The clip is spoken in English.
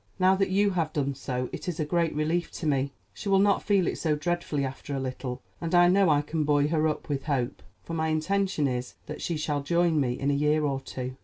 Now that you have done so, it is a great relief to me. She will not feel it so dreadfully after a little; and I know I can buoy her up with hope, for my intention is that she shall join me in a year or two.